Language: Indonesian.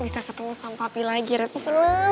bisa ketemu sama papi lagi reva senang banget